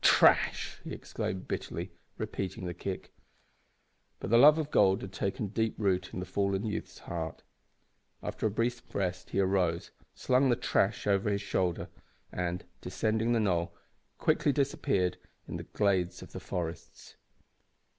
"Trash!" he exclaimed, bitterly, repeating the kick. But the love of gold had taken deep root in the fallen youth's heart. After a brief rest he arose, slung the "trash" over his shoulder, and, descending the knoll, quickly disappeared in the glades of the forests.